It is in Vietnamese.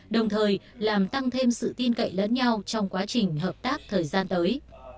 đồng thời làm tăng thêm sự tin cậy lẫn nhau trong quá trình hợp tác thời gian tới